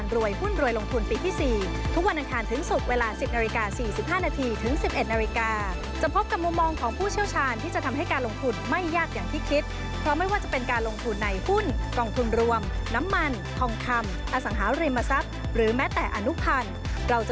เราจะมีกลยุทธ์ให้ท่านทุกสัปดาห์